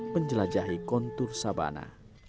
menjelajahi kontur sabana